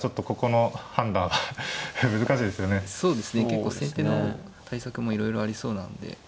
結構先手の対策もいろいろありそうなんで。